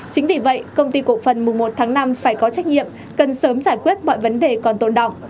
chính vì vậy công ty cổ phần mùa một tháng năm phải có trách nhiệm cần sớm giải quyết mọi vấn đề còn tồn động